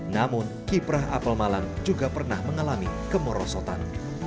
namun kiprah apel malam juga pernah mengalami kemerosotan